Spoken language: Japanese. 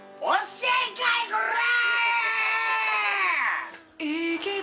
教えんかいこらぁー！